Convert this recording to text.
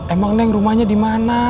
emang neng rumahnya dimana